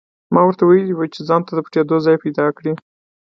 ما ورته ویلي وو چې ځانته د پټېدو ځای پیدا کړي